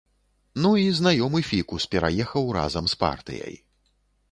Ну і знаёмы фікус пераехаў разам з партыяй.